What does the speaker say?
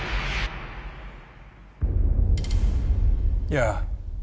やあ。